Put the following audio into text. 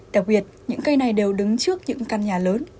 đặc biệt những cây này đều đứng trước những căn nhà lớn